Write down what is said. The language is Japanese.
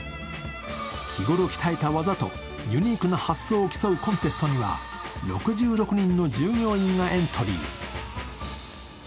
日頃鍛えた技とユニークな発想を競うコンテストは、６６人の従業員がエントリー。